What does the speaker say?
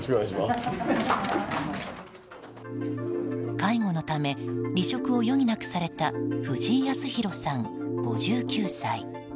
介護のため離職を余儀なくされた藤井康弘さん、５９歳。